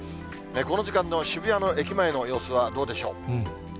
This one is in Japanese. この時間の渋谷の駅前の様子はどうでしょう。